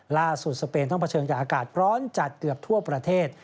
สเปนต้องเผชิญกับอากาศร้อนจัดเกือบทั่วประเทศ